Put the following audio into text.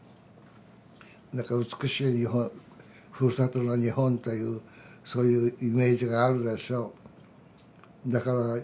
だから美しい日本ふるさとの日本というそういうイメージがあるでしょう。